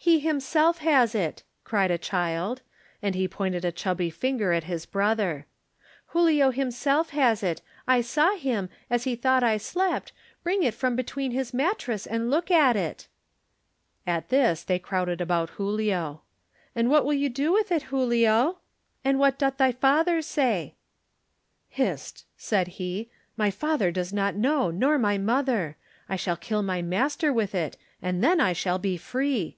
"He himself has it," cried a child, and he pointed a chubby finger at his brother. Julio himself has it. I saw him, as he thought I slept, bring it from between his mattresses and look at it." At this they crowded about Julio. Digitized by Google THE NINTH MAN "And what will you do with it, Julio? And what doth thy father say?" "Hist!" said he. "My father does not know, nor my mother. I shall kill my mas ter with it, and then I shall be free.